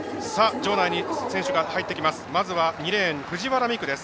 場内に選手が入ってきます。